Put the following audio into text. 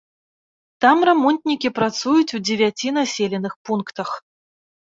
Там рамонтнікі працуюць у дзевяці населеных пунктах.